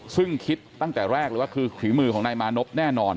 ซึ่งคิดตั้งแต่แรกเลยว่าคือฝีมือของนายมานพแน่นอน